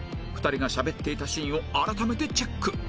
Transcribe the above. ２人がしゃべっていたシーンを改めてチェック